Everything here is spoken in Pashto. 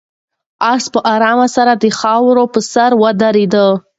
آس په آرامۍ سره د خاورو په سر ودرېد.